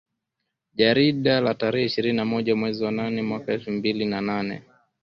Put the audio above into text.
jarida la tarehe ishirini na moja mwezi wa nane mwaka elfu mbili na nane